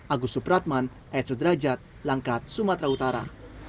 agus supratman edso derajat langkat sumatera utara